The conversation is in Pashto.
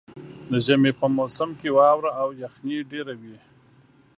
د ژمي په موسم کې واوره او یخني ډېره وي.